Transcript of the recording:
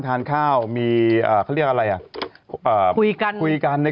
ทานข้าวมีอ่าเขาเรียกอะไรอ่ะอ่าคุยกันคุยกันใน